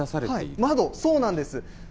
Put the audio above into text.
窓、そうなんです。